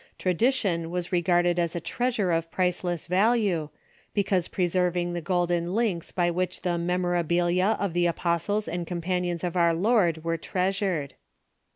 Tradition was regarded as a treasure of price less value, because preserving the golden links by which the memorabilia of the apostles and companions of our Lord were treasured.